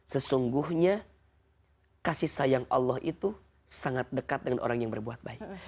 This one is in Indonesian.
sesungguhnya kasih sayang allah itu sangat dekat dengan orang yang berbuat baik